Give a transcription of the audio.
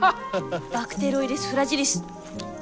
バクテロイデス・フラジリス。